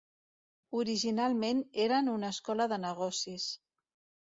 Originalment eren una escola de negocis.